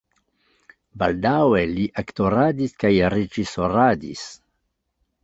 Baldaŭe li aktoradis kaj reĝisoradis.